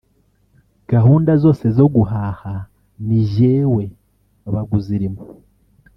gahunda zose zo guhaha ni jyewe wabaga uzirimo